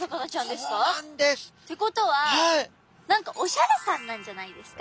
ってことは何かオシャレさんなんじゃないですか？